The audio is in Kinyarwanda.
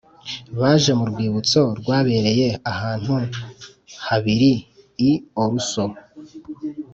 baje mu Rwibutso rwabereye ahantu habiri i Oslo